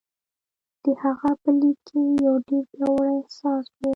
د هغه په ليک کې يو ډېر پياوړی احساس و.